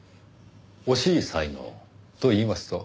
惜しい才能といいますと？